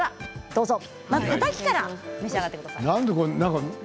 まずは、たたきから召し上がってください。